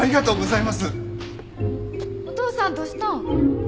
お父さんどうしたん？